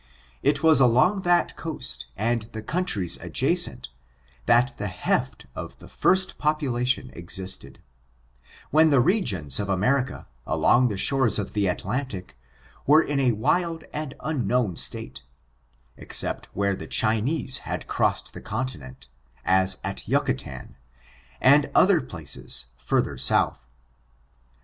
It was along that coast and the countries adjacent, that the heft of the first population existed, when the regions of America, along the shores of the Atlantic^ were in a wild and unknown state, except where the Chinese had cross ed the continent, as at Yucatan, and other places further south.